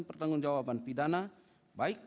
pertanggungjawaban pidana baik